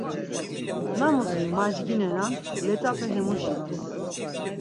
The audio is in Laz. Namus macginanen let̆ape hemuş ivas.